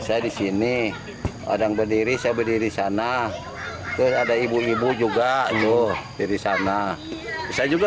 saya di sini kadang berdiri saya berdiri sana terus ada ibu ibu juga yuk diri sana saya juga